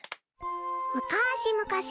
むかしむかし